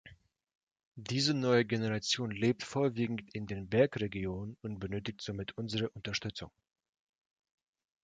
Diese neue Generation lebt vorwiegend in den Bergregionen und benötigt somit unsere Unterstützung.